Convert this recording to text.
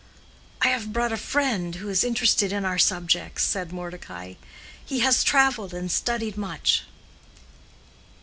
"I have brought a friend who is interested in our subjects," said Mordecai. "He has traveled and studied much."